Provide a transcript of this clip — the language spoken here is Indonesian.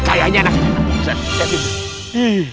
kayaknya anak anak ustadz